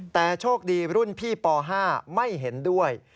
แต่โชคดีรุ่นพี่ป๕ไม่เห็นด้วย